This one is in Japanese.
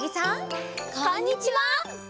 こんにちは！